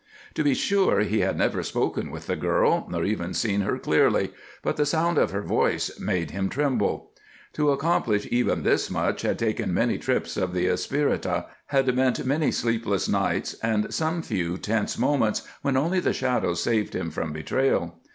To be sure, he had never spoken with the girl, nor even seen her clearly, but the sound of her voice made him tremble. To accomplish even this much had taken many trips of the Espirita, had meant many sleepless nights and some few tense moments when only the shadows saved him from betrayal.